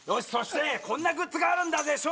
そしてこんなグッズがあるんだぜ。